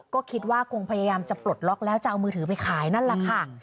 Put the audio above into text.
ก็คิดว่าคงพยายามจะปลดล็อกแล้วจะเอามือถือไปขายนั่นแหละค่ะ